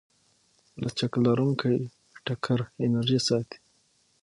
لچک لرونکی ټکر انرژي ساتي.